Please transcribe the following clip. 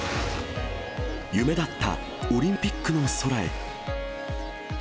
夢だったオリンピックの空へ。